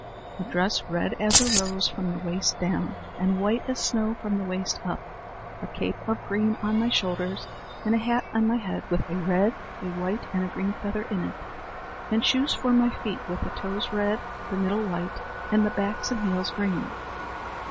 "A dress red as a rose from the waist down, and white as snow from the waist up; a cape of green on my shoulders; and a hat on my head with a red, a white, and a green feather in it; and shoes for my feet with the toes red, the middle white, and the backs and heels green."